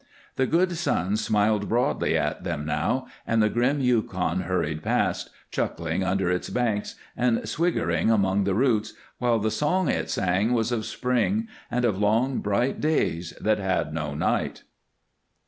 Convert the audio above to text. The good sun smiled broadly at them now, and the grim Yukon hurried past, chuckling under its banks and swiggering among the roots, while the song it sang was of spring and of long, bright days that had no night.